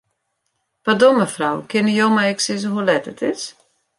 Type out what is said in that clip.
Pardon, mefrou, kinne jo my ek sizze hoe let it is?